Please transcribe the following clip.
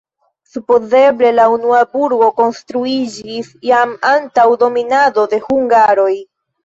Supozeble la unua burgo konstruiĝis jam antaŭ dominado de hungaroj.